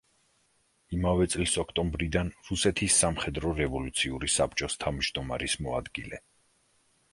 იმავე წლის ოქტომბრიდან რუსეთის სამხედრო რევოლუციური საბჭოს თავმჯდომარის მოადგილე.